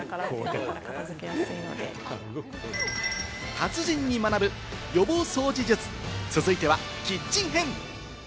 達人に学ぶ予防掃除術、続いてはキッチン編。